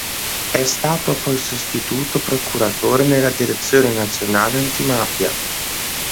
È stato poi sostituto procuratore nella Direzione nazionale antimafia.